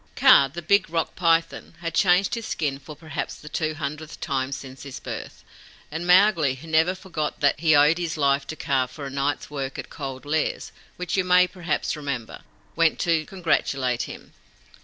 Kaa, the big Rock Python, had changed his skin for perhaps the two hundredth time since his birth; and Mowgli, who never forgot that he owed his life to Kaa for a night's work at Cold Lairs, which you may perhaps remember, went to congratulate him.